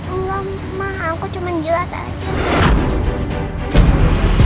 enggak ma aku cuma jilat aja